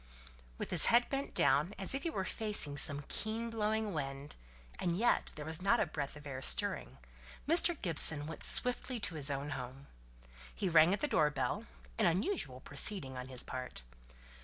With his head bent down as if he were facing some keen blowing wind and yet there was not a breath of air stirring Mr. Gibson went swiftly to his own home. He rang at the door bell; an unusual proceeding on his part.